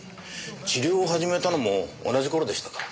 治療を始めたのも同じ頃でしたから。